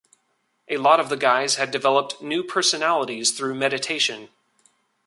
A lot of the guys had developed new personalities through meditation.